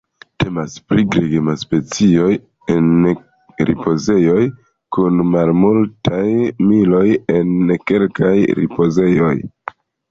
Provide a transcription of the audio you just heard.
Temas pri gregema specio en ripozejoj kun multaj miloj en kelkaj ripozejoj.